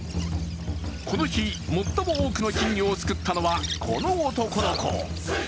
この日、最も多くの金魚をすくったのは、この男の子。